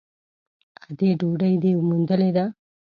_ادې ! ډوډۍ دې موندلې ده؟